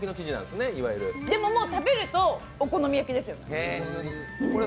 でも、食べるとお好み焼きですよ。